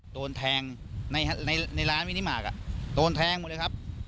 โดนแทงในร้านมินิมาร์คโดนแทงหมดเลยครับ